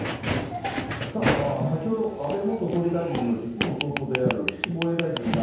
さあ、先ほど安倍元総理大臣の実の弟である岸防衛大臣が。